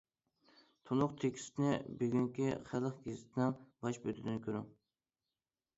تولۇق تېكىستىنى بۈگۈنكى خەلق گېزىتىنىڭ باش بېتىدىن كۆرۈڭ.